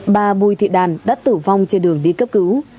bà bùi thị đàn đã tử vong trên đường đi cấp cứu